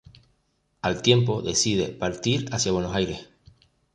Al tiempo decide partir hacia Buenos Aires.